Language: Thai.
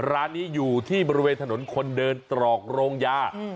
ร้านนี้อยู่ที่บริเวณถนนคนเดินตรอกโรงยา